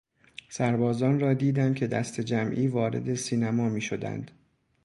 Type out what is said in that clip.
سربازان را دیدم که دسته جمعی وارد سینما میشدند.